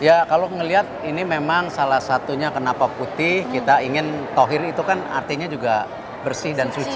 ya kalau melihat ini memang salah satunya kenapa putih kita ingin tohir itu kan artinya juga bersih dan suci